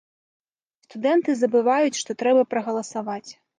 Студэнты забываюць, што трэба прагаласаваць.